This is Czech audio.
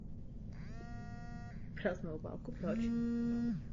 Avšak kvůli neshodám se svým mecenášem ještě téhož roku odchází do Moskvy.